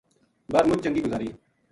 بر مُچ چنگی گزاری